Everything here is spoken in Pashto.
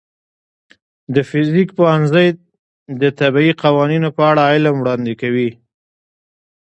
د فزیک پوهنځی د طبیعي قوانینو په اړه علم وړاندې کوي.